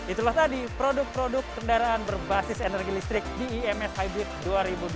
itulah tadi produk produk kendaraan berbasis energi listrik di ims hybrid dua ribu dua puluh